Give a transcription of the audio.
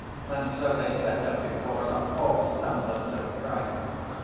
And so they set up before us a false semblance of Christ!